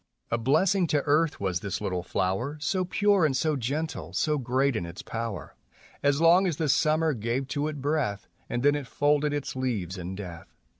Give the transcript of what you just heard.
A blessing to earth was this little flower, So pure and so gentle, so great in its power, As long as the summer gave to it breath, And then it folded its leaves in death.